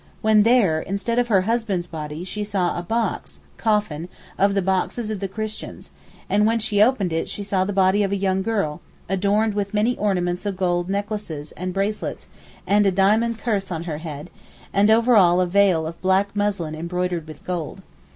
When there, instead of her husband's body she saw a box (coffin) of the boxes of the Christians, and when she opened it she saw the body of a young girl, adorned with many ornaments of gold necklaces, and bracelets, and a diamond Kurs on her head, and over all a veil of black muslin embroidered with gold.